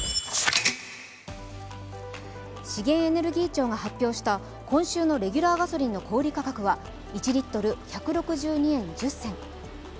資源エネルギー庁が発表した今週のレギュラーガソリンの小売り価格は、１リットル１６２円１０銭。